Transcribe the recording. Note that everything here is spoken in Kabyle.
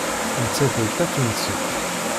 Nettat d Tatunsit.